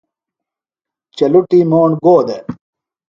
چلٹُی موݨ گودےۡ؟